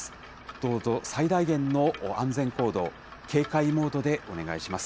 どうぞ最大限の安全行動、警戒モードでお願いします。